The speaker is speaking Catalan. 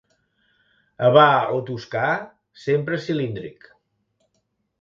Havà o toscà, sempre cilíndric.